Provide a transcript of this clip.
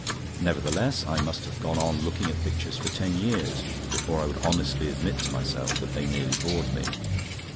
Nevertheless, I must have gone on looking at pictures for ten years before I would honestly admit to myself that they merely bored me.